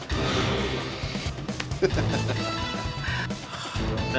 gak mewah kalian ya